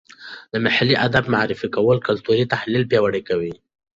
د محلي ادب معرفي کول کلتوري تحلیل پیاوړی کوي.